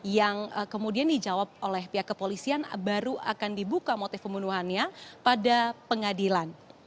yang kemudian dijawab oleh pihak kepolisian baru akan dibuka motif pembunuhannya pada pengadilan